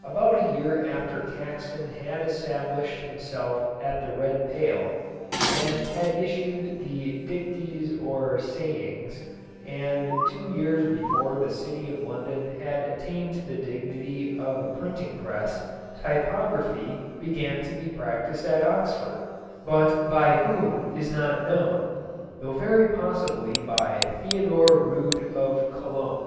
About a year after Caxton had established himself at the Red Pale, and had issued the Dictes or Sayengis, and two years before the city of London had attained to the dignity of a printing press, typography began to be practised at Oxford, but by whom is not known, though very possibly by Theodore Rood of Cologne.